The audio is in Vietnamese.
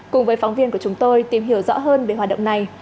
cùng với phóng viên của chúng tôi tìm hiểu rõ hơn về hoạt động này